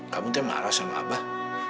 kamu tuh marah sama abah